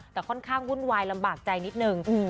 แต่ค่อนข้างวุ่นวายลำบากใจนิดนึง